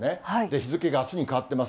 日付があすに変わってます。